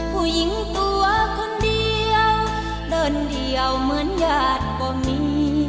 ผู้หญิงตัวคนเดียวเดินเดี่ยวเหมือนญาติบ่มี